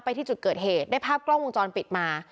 ที่จุดเกิดเหตุได้ภาพกล้องวงจรปิดมา